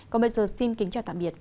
còn bây giờ xin kính chào tạm biệt